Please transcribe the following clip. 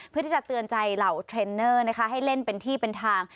เพื่อที่จะเตือนใจเหล่าเทรนเนอร์นะคะให้เล่นเป็นที่เป็นทาง